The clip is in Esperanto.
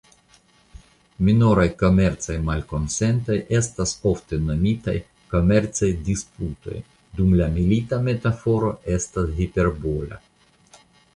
Minoraj komercaj malkonsentoj estas ofte nomitaj "komercaj disputoj" dum la milita metaforo estas hiperbola.